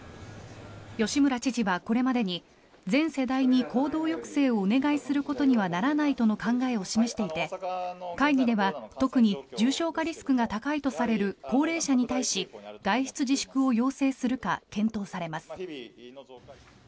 吉村知事はこれまでに全世代に行動抑制をお願いすることにはならないとの考えを示していて会議では特に重症化リスクが高いとされる高齢者に対し外出自粛を要請するか検討されます。